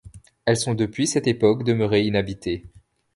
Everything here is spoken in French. Elles sont depuis cette époque demeurées inhabitées.